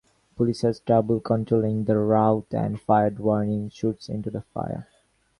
Police had trouble controlling the riot and fired warning shots into the air.